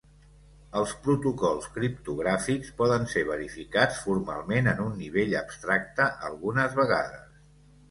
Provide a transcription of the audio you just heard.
Els protocols criptogràfics poden ser verificats formalment en un nivell abstracte algunes vegades.